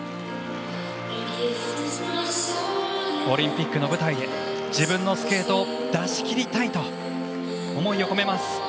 オリンピックの舞台で自分のスケートを出し切りたいと思いを込めます。